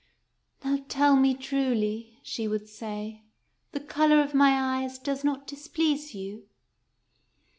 " Now tell me truly," she would say, " the color of my eyes does not displease you